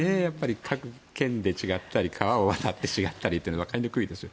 各県で違ったり川を渡ったら違ったりでわかりにくいです。